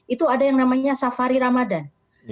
itu ada yang namanya safari ramadan